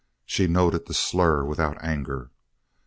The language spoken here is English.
She noted the slur without anger.